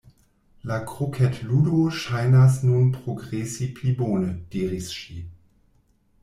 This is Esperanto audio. "La kroketludo ŝajnas nun progresi pli bone," diris ŝi.